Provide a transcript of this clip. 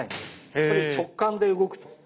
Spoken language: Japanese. やっぱり直感で動くと。